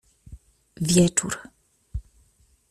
Wieczór.